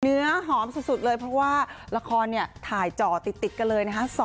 เนื้อหอมสุดเลยเพราะว่าละครเนี่ยถ่ายจ่อติดกันเลยนะคะ